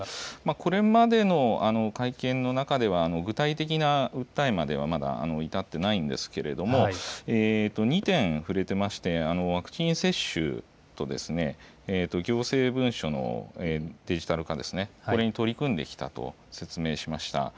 これまでの会見の中では具体的な訴えまではまだ至っていないんですけれども２点触れていましてワクチン接種と行政文書のデジタル化、これに取り組んできたと説明しました。